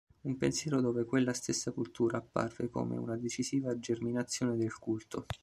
Un pensiero dove quella stessa cultura appare come una decisiva germinazione del culto.